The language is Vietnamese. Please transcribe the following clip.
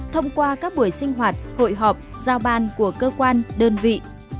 thông qua các buổi sinh hoạt hội họp giao ban của cơ quan đơn vị